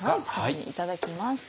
いただきます。